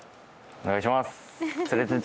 お願いします！